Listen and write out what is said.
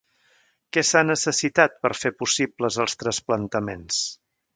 Què s'ha necessitat per fer possibles els trasplantaments?